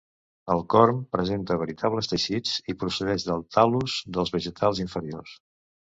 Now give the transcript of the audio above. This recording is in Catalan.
El corm presenta veritables teixits i procedeix del tal·lus dels vegetals inferiors.